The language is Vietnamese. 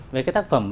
về cái tác phẩm